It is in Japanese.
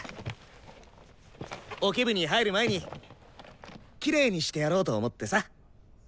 オケ部に入る前にきれいにしてやろうと思ってさ。